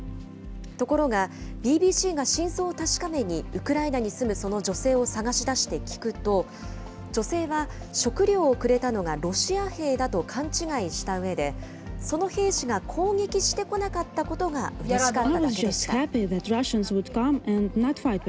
ところが、ＢＢＣが真相を確かめにウクライナに住むその女性を捜し出して聞くと、女性は食料をくれたのがロシア兵だと勘違いしたうえで、その兵士が攻撃してこなかったことがうれしかっただけでした。